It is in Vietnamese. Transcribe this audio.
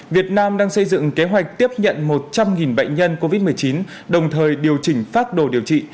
việt nam đang xây dựng kế hoạch tiếp nhận một trăm linh bệnh nhân covid một mươi chín đồng thời điều chỉnh phát đồ điều trị